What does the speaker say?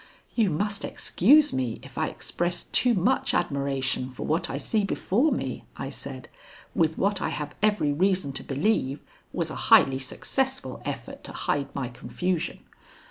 "You must excuse me if I express too much admiration for what I see before me," I said, with what I have every reason to believe was a highly successful effort to hide my confusion.